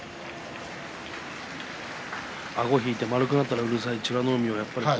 あごを引いて丸くなったらうるさいですね。